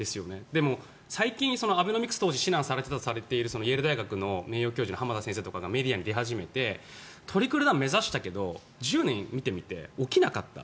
でも、最近、アベノミクス当時指南されていたイェール大学の名誉教授の浜田先生とかがメディアに出始めてトリクルダウンを目指したけど１０年見ていて起きなかった。